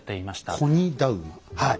はい。